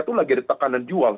itu lagi ada tekanan jual